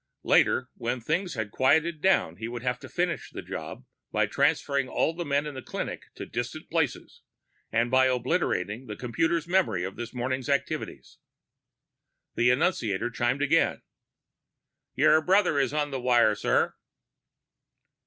Later, when things had quieted down, he would have to finish the job by transferring all the men in the clinic to distant places and by obliterating the computer's memories of this morning's activities. The annunciator chimed again. "Your brother is on the wire, sir."